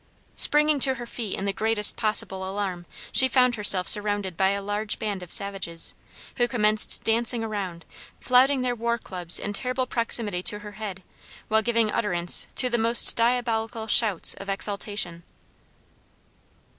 Springing to her feet in the greatest possible alarm, she found herself surrounded by a large band of savages, who commenced dancing around, flouting their war clubs in terrible proximity to her head, while giving utterance to the, most diabolical shouts of exultation.